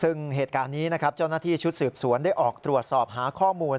ซึ่งเหตุการณ์นี้นะครับเจ้าหน้าที่ชุดสืบสวนได้ออกตรวจสอบหาข้อมูล